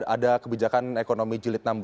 ada kebijakan ekonomi jilid enam belas